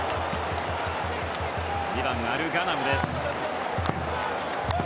２番のアルガナムです。